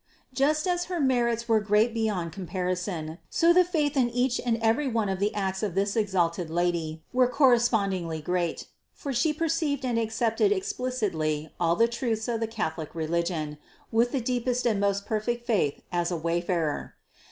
Just as her merits were great beyond comparison, so the faith in each and every one of the acts of this exalted Lady were correspondingly great; for She perceived and ac cepted explicitly all the truths of the Catholic religion with the deepest and most perfect faith as a wayfarer.